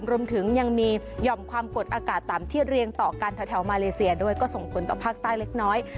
รวมถึงยังมีหย่อมความกดอากาศต่ำที่เรียงต่อกันแถวมาเลเซียด้วยก็ส่งผลต่อภาคใต้เล็กน้อย